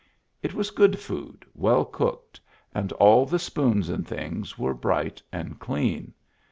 It was good food, well cooked; and all the spoons and things were bright and clean.